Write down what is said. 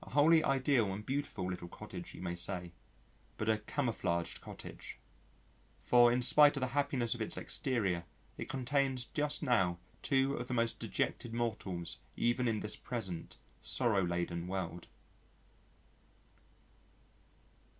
A wholly ideal and beautiful little cottage you may say. But a "camouflaged" cottage. For in spite of the happiness of its exterior it contains just now two of the most dejected mortals even in this present sorrow laden world.